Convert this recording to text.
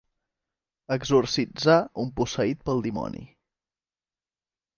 Exorcitzar un posseït pel dimoni.